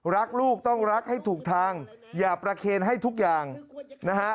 รักลูกต้องรักให้ถูกทางอย่าประเคนให้ทุกอย่างนะฮะ